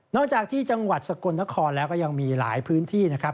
จากที่จังหวัดสกลนครแล้วก็ยังมีหลายพื้นที่นะครับ